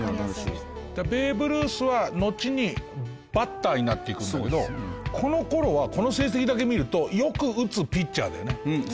ベーブ・ルースはのちにバッターになっていくんだけどこの頃はこの成績だけ見るとよく打つピッチャーだよね。